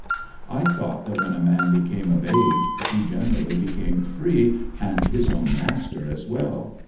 I thought that w^hen a man became of age, he generally became free and his own master as well.